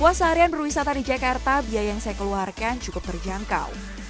puas seharian berwisata di jakarta biaya yang saya keluarkan cukup terjangkau